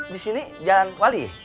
di sini jalan wali